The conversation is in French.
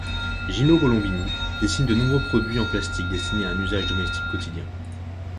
Gino Colombini dessine de nombreux produits en plastique destinés à un usage domestique quotidien.